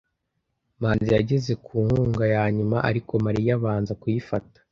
manzi yageze ku nkunga ya nyuma, ariko mariya abanza kuyifata